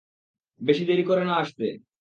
বেশি দেরি করো না আসতে!